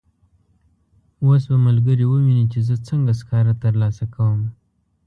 اوس به ملګري وویني چې زه څنګه سکاره ترلاسه کوم.